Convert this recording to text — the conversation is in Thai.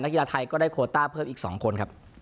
ขีราทีย์ก็ได้โคต้าเพิ่มอีกสองคน